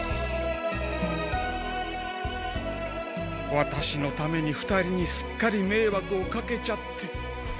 ワタシのために２人にすっかりめいわくをかけちゃって。